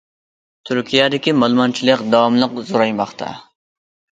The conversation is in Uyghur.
تۈركىيەدىكى مالىمانچىلىق داۋاملىق زورايماقتا.